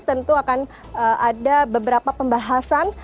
tentu akan ada beberapa pembahasan